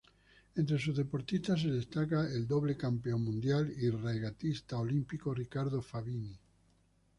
Entre sus deportistas se destaca el doble campeón mundial y regatista olímpico Ricardo Fabini.